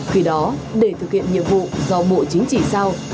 khi đó để thực hiện nhiệm vụ do bộ chính trị giao